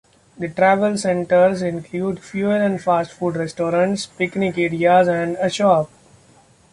The travel centres include fuel and fast-food restaurants, picnic areas and a shop.